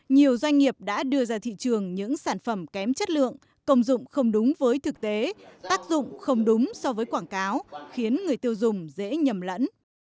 nhiều doanh nghiệp đã đưa ra thị trường những sản phẩm kém chất lượng công dụng không đúng với thực tế tác dụng không đúng so với quảng cáo khiến người tiêu dùng dễ nhầm lẫn